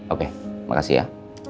oke makasih ya